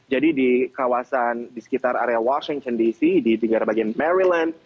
jadi di kawasan di sekitar area washington dc di negara bagian maryland